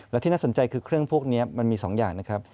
และที่น่าสนใจคือเครื่องพวกนี้มันมี๒อย่างนะครับ